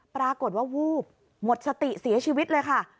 ปรากฏว่าวูบหมดสติเสียชีวิตเลยค่ะ